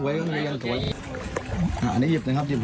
เป็นเลขอะไรท่านดูเอาเองนะคะ